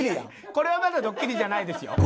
これはまだドッキリじゃないですよ。